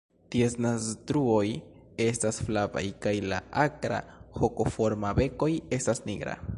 Ties naztruoj estas flavaj kaj la akra hokoforma bekoj estas nigra.